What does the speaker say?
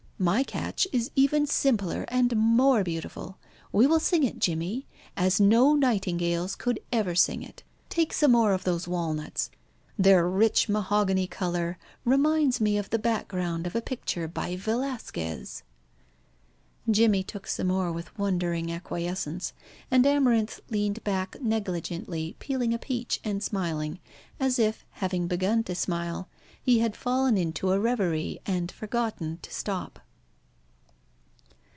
My catch is even simpler and more beautiful. We will sing it, Jimmy, as no nightingales could ever sing it. Take some more of those walnuts. Their rich mahogany colour reminds me of the background of a picture by Velasquez." Jimmy took some more with wondering acquiescence, and Amarinth leaned back negligently peeling a peach, and smiling as if, having begun to smile, he had fallen into a reverie and forgotten to stop.